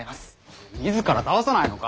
自ら倒さないのか？